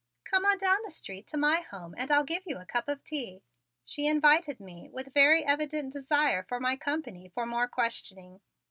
"Come on down the street to my home and I'll give you a cup of tea," she invited me with very evident desire for my company for more questioning.